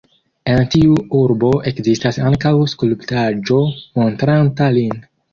En tiu urbo ekzistas ankaŭ skulptaĵo montranta lin.